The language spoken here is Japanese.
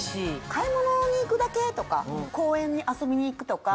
買い物に行くだけとか公園に遊びに行くとか。